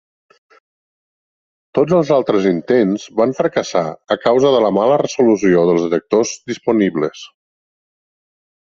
Tots els altres intents van fracassar a causa de la mala resolució dels detectors disponibles.